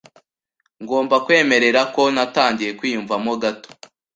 Ngomba kwemerera ko natangiye kwiyumvamo gato.